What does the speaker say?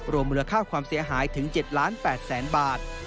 รวมมูลค่าความเสียหายถึง๗ล้าน๘แสนบาท